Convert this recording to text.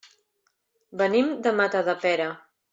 Venim de Matadepera.